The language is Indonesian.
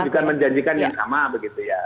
pan juga menjanjikan yang sama begitu ya